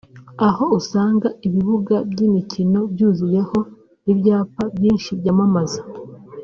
aho usanga ibibuga by’imikino byuzuyeho ibyapa byinshi byamamaza